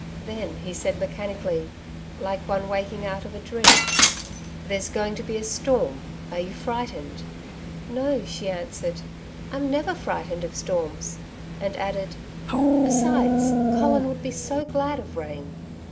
Then he said mechanically, like one walking out of a dream? 'There's going to be a storm. Are you frightened?' 'No,' she answered. 'I'm never frightened of storms!' and added, 'besides, Colin would be so glad of rain.'